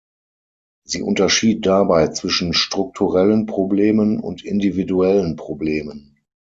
Sie unterschied dabei zwischen strukturellen Problemen und individuellen Problemen.